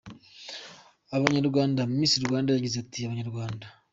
abanyarwanda, Miss Rwanda yagize ati, Abanyarwanda.